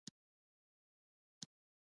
د مالیې معافیت پانګوالو ته ورکول کیږي